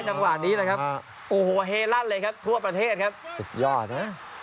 จังหวะนี้นะครับโอ้โหเฮลั่นเลยครับทั่วประเทศครับสุดยอดนะ